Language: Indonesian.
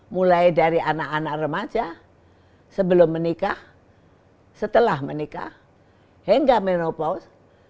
mulai dari anak anak remaja sebelum menikah setelah menikah hingga menopaus